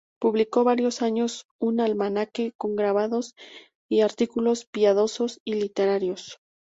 Publicó varios años un almanaque con grabados y artículos piadosos y literarios.